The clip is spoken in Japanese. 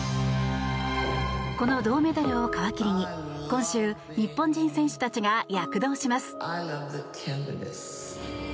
この銅メダルを皮切りに今週、日本人選手たちが躍動します。